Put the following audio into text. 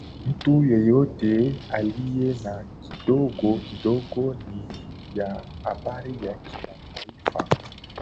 Mtu yeyote aliye na kidogo kidogo nia ya habari ya kimataifa